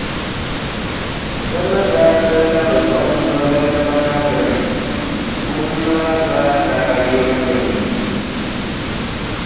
Bɛ ni daa ti labi bimbirili maa gbuni, pum maa zaa daa yirigimi.